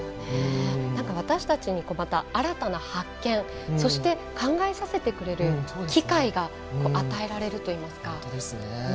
私たちにまた新たな発見そして考えさせてくれる機会が与えられるといいますか。